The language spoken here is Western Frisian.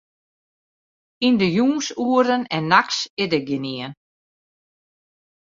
Yn 'e jûnsoeren en nachts is dêr gjinien.